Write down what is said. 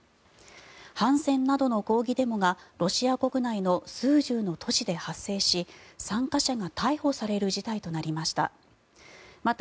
反戦などの抗議デモがロシア国内の数十の都市で発生し参加者が逮捕される事態となりました。